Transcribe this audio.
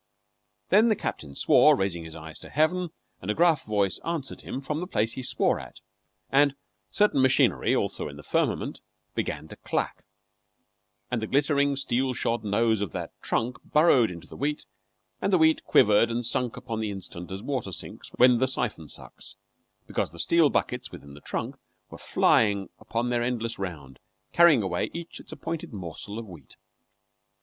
Then the captain swore, raising his eyes to heaven, and a gruff voice answered him from the place he swore at, and certain machinery, also in the firmament, began to clack, and the glittering, steel shod nose of that trunk burrowed into the wheat, and the wheat quivered and sunk upon the instant as water sinks when the siphon sucks, because the steel buckets within the trunk were flying upon their endless round, carrying away each its appointed morsel of wheat.